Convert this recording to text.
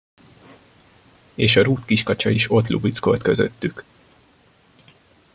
És a rút kiskacsa is ott lubickolt közöttük.